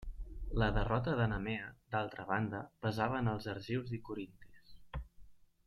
La derrota de Nemea, d'altra banda, pesava en els argius i corintis.